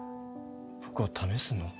僕を試すの？